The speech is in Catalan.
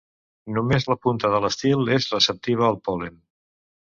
Només la punta de l'estil és receptiva al pol·len.